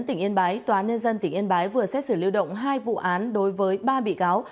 tỉnh yên bái tòa án nhân dân tỉnh yên bái vừa xét xử lưu động hai vụ án đối với ba bị cáo